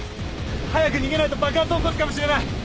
早く逃げないと爆発を起こすかもしれない！